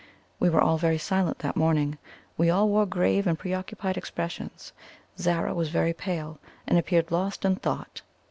We were all very silent that morning; we all wore grave and preoccupied expressions. Zara was very pale, and appeared lost in thought.